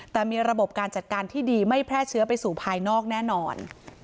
แต่มีระบบการจัดการที่ดีไม่แพร่เชื้อไปสู่ภายนอกแน่นอน